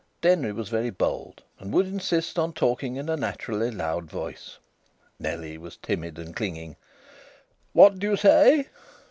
Denry was very bold and would insist on talking in a naturally loud voice. Nellie was timid and clinging. "What do you say?"